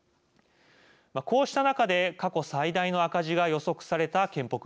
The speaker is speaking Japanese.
こうした中で過去最大の赤字が予測された健保組合。